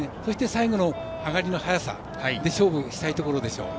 最後の上がりの速さで勝負したいところでしょう。